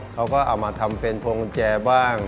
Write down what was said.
เราก็เอามาทำเป็นโพงแจบ้าง